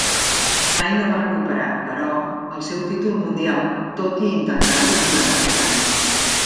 Mai no va recuperar, però, el seu títol mundial tot i intentar-ho durant set anys.